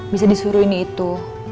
bisa disuruhin itu